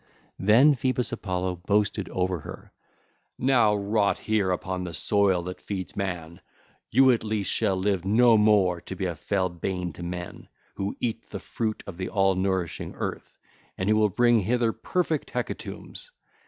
Then Phoebus Apollo boasted over her: (ll. 363 369) 'Now rot here upon the soil that feeds man! You at least shall live no more to be a fell bane to men who eat the fruit of the all nourishing earth, and who will bring hither perfect hecatombs.